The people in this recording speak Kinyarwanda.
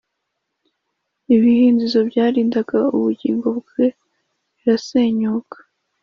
ibihindizo byarindaga ubugingo bwe birasenyuka